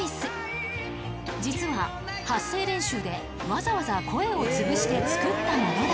［実は発声練習でわざわざ声をつぶして作ったものだという］